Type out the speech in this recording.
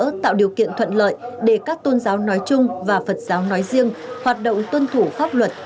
hướng dẫn giúp đỡ tạo điều kiện thuận lợi để các tôn giáo nói chung và phật giáo nói riêng hoạt động tuân thủ pháp luật